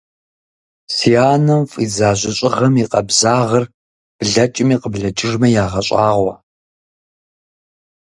Си анэм фӏидзэ жьыщӏыгъэм и къабзагъыр блэкӏми къыблэкӏыжми ягъэщӏагъуэ!